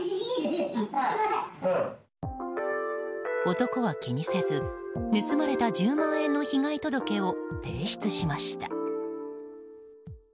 男は気にせず、盗まれた１０万円の被害届を提出しました。